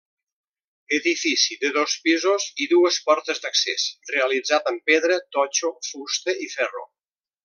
Edifici de dos pisos i dues portes d'accés realitzat amb pedra, totxo, fusta i ferro.